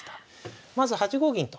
まず８五銀と。